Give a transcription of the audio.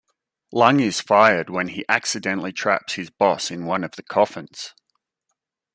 Lung is fired when he accidentally traps his boss in one of the coffins.